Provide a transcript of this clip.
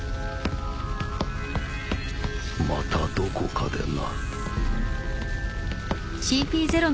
またどこかでな。